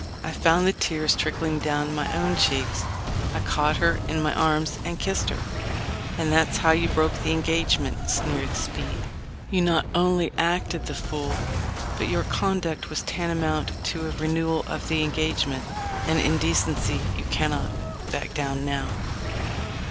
I found the tears trickling down my own cheeks. I caught her in my arms and kissed her." "And that's how you broke the engagement," sneered Speed. "You not only acted the fool, but your conduct was tantamount to a renewal of the engagement, and in decency you cannot back down now."